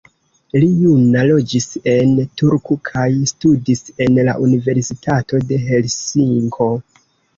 Li juna loĝis en Turku kaj studis en la Universitato de Helsinko.